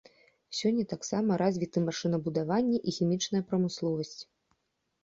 Сёння таксама развіты машынабудаванне і хімічная прамысловасць.